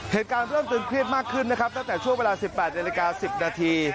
เหตุการณ์เริ่มตึงเครียดมากขึ้นนะครับตั้งแต่ช่วงเวลา๑๘นาฬิกา๑๐นาที